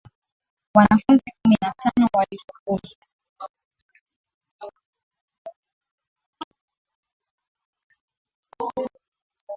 wanafunzi kumi na tano walifukuzwa shule